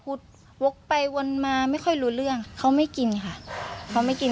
วกไปวนมาไม่ค่อยรู้เรื่องเขาไม่กินค่ะเขาไม่กิน